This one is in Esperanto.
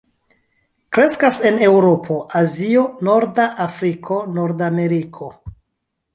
Kreskas en Eŭropo, Azio, norda Afriko, Nordameriko.